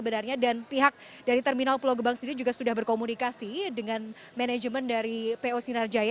dan pihak dari terminal pulau gebang sendiri juga sudah berkomunikasi dengan manajemen dari po sinarjaya